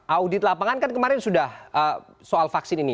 audit lapangan kan kemarin sudah soal vaksin ini